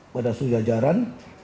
pada suhu jajaran